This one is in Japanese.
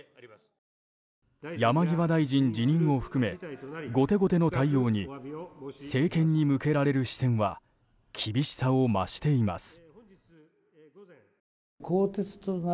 山際大臣辞任を含め後手後手の対応に政権に向けられる視線は厳しさを増しています。